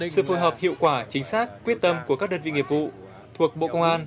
sự phối hợp hiệu quả chính xác quyết tâm của các đơn vị nghiệp vụ thuộc bộ công an